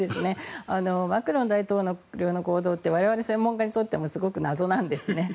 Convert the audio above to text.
マクロン大統領の行動って我々専門家にとってもすごく謎なんですね。